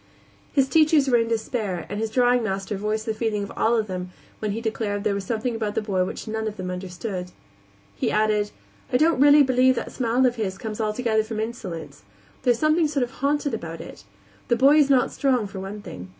His teachers were in despair, and his drawing master voiced the feeling of them all when he declared there was something about the boy which none of them understood. He added: "I don't really believe that smile of his comes altogether from insolence; there's something sort of haunted about it. The boy is not strong, for one thing.